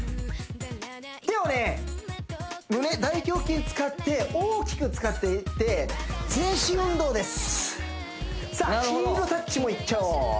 手をね胸大胸筋使って大きく使って全身運動ですさあヒールタッチもいっちゃおう